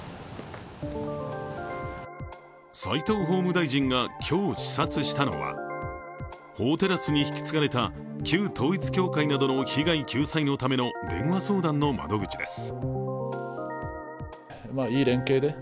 齋藤法務大臣が今日視察したのは法テラスに引き継がれた旧統一教会などの被害救済のための電話相談の窓口です。